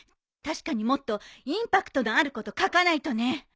確かにもっとインパクトのあること書かないとね。